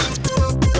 wah keren banget